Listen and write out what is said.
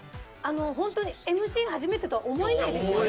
本当にＭＣ初めてとは思えないですよね。